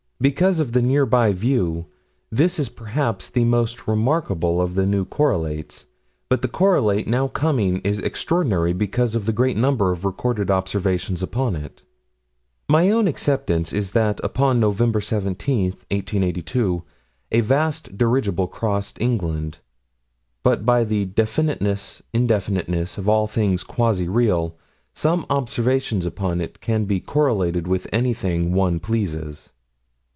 Because of the nearby view this is perhaps the most remarkable of the new correlates, but the correlate now coming is extraordinary because of the great number of recorded observations upon it. My own acceptance is that, upon Nov. 17, 1882, a vast dirigible crossed England, but by the definiteness indefiniteness of all things quasi real, some observations upon it can be correlated with anything one pleases.